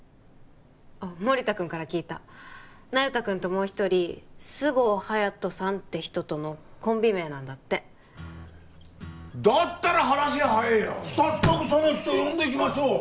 あっ森田君から聞いた那由他君ともう一人菅生隼人さんって人とのコンビ名なんだってだったら話が早えよ早速その人呼んできましょう